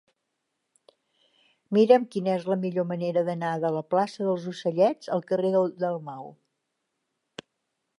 Mira'm quina és la millor manera d'anar de la plaça dels Ocellets al carrer de Dalmau.